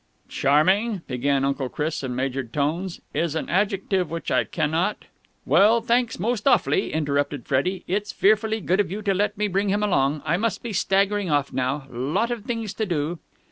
"Charming," began Uncle Chris in measured tones, "is an adjective which I cannot...." "Well, thanks most awfully," interrupted Freddie. "It's fearfully good of you to let me bring him along. I must be staggering off now. Lot of things to do."